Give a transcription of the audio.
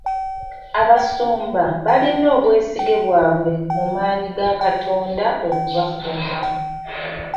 Abasumba balina obwesige bwabwe mu maanyi ga Katonda okubakuuma.